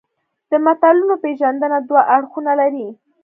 د متلونو پېژندنه دوه اړخونه لري